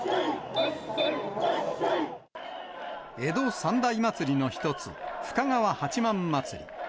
江戸三大祭りの一つ、深川八幡祭り。